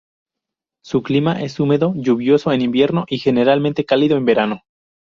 Su clima es húmedo, lluvioso en invierno y generalmente cálido en verano.